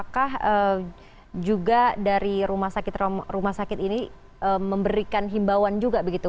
dan juga dari rumah sakit ini memberikan himbauan juga begitu